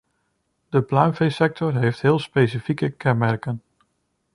De pluimveesector heeft heel specifieke kenmerken.